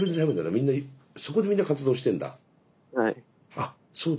あそうだ。